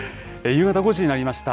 夕方５時になりました。